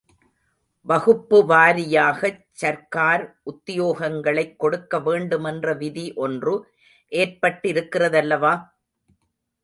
வகுப்பு வாரியாகச் சர்க்கார் உத்தியோகங்களைக் கொடுக்க வேண்டுமென்ற விதி ஒன்று ஏற்பட்டிருக்கிறதல்லவா?